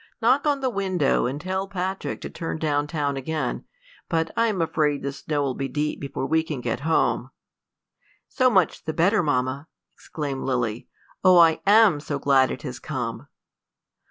Knock on the window, and tell Patrick to turn down town again; but I am afraid the snow will be deep before we can get home." "So much the better, mamma," exclaimed Lily. "Oh, I am so glad it has come!"